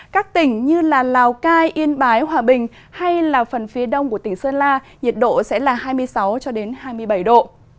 các tỉnh như lào cai yên bái hòa bình hay phần phía đông của tỉnh sơn la nhiệt độ sẽ là hai mươi sáu cho đến hai mươi bảy độ